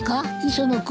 磯野君。